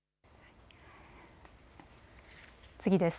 次です。